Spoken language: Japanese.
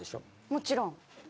もちろん。